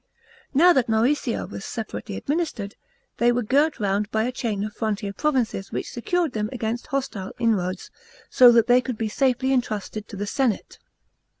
11 242 THE PBINCIPATE OF CLAUDIUS. CflAH xv. Now that Moesia was separately administered, they wore girt round by a chain of frontier provinces which secured them against hostile inroads, so that they could be safely entrusted to the senate.